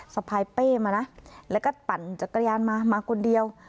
สะพายเป้มานะแล้วก็ปั่นจักรยานมามาคนเดียว